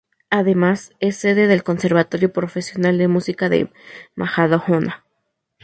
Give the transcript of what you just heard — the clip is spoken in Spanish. Además, es sede del Conservatorio Profesional de Música de Majadahonda.